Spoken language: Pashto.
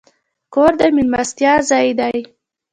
کور د میلمستیا ځای دی.